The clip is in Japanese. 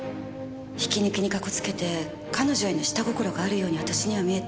引き抜きにかこつけて彼女への下心があるように私には見えた。